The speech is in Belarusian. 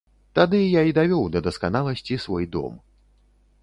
Тады я і давёў да дасканаласці свой дом.